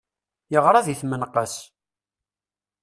Yeɣra di tmenqas.